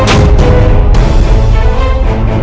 tidak bisa mengenali